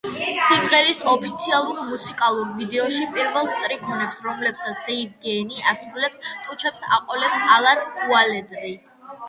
სიმღერის ოფიციალურ მუსიკალურ ვიდეოში პირველ სტრიქონებს, რომლებსაც დეივ გეენი ასრულებს, ტუჩებს აყოლებს ალან უაილდერი.